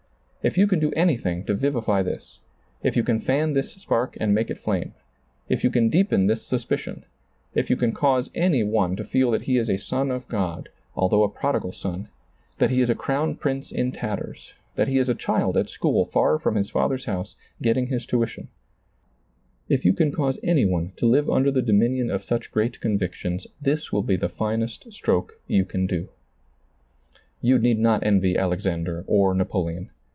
If you can do anything to vivify this ; if you can fan this spark and make it flame; if you can deepen this suspicion; if you can cause any one to feel that he is a son of God, although a prodigal son, that he is a crown prince in tatters, that he is a child at school, far from his father's house, getting his tuition ; if you can cause any one to live under the dominion of such great convictions, this will be the finest stroke you can do. You need not envy Alexander or Napoleon.